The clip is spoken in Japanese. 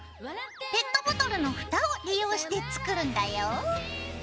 ペットボトルのふたを利用して作るんだよ。